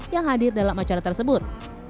yang hadir dalam acara tersebut